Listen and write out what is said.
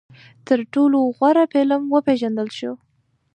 تر ټولو غوره فلم وپېژندل شو